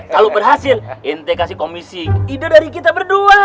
kalau berhasil inte kasih komisi ide dari kita berdua